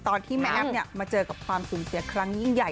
ตอนที่แม่แอ๊บมาเจอกับความสูญเสียครั้งยิ่งใหญ่